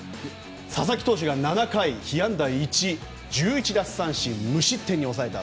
佐々木投手が７回、被安打１１１奪三振無失点に抑えた。